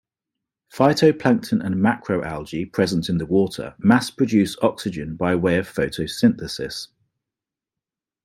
Phytoplankton and macroalgae present in the water mass-produce oxygen by way of photosynthesis.